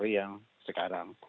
dan juga yang sekarang